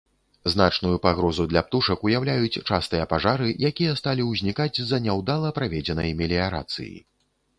Значную пагрозу для птушак ўяўляюць частыя пажары, якія сталі ўзнікаць з-за няўдала праведзенай меліярацыі.